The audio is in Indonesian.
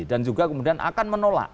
dan juga kemudian akan menolak